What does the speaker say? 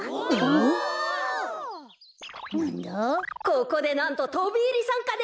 ここでなんととびいりさんかです。